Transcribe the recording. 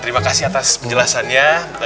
terima kasih atas penjelasannya